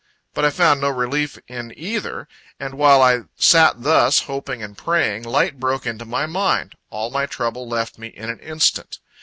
But I found no relief in either ... and while I sat thus, hoping and praying, light broke into my mind all my trouble left me in an instant.